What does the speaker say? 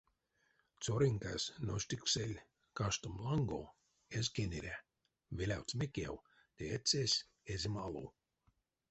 Цёрынькась ношкстыксэль каштом лангов, эзь кенере, велявтсь мекев ды эцесь эзем алов.